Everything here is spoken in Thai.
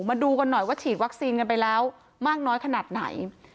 มาดูกันหน่อยว่าฉีดวัคซีนกันไปแล้วมากน้อยขนาดไหน